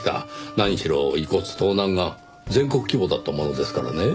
何しろ遺骨盗難が全国規模だったものですからね。